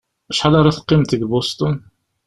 Acḥal ara teqqimeḍ deg Boston?